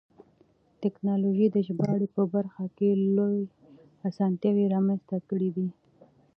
تکنالوژي د ژباړې په برخه کې لویې اسانتیاوې رامنځته کړې دي.